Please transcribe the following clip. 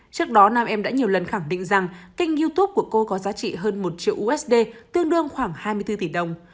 trước đó nam em đã nhiều lần khẳng định rằng kênh youtube của cô có giá trị hơn một triệu usd tương đương khoảng hai mươi bốn tỷ đồng